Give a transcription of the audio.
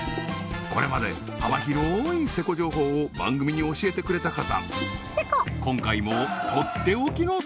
これまで幅広いセコ情報を番組に教えてくれた方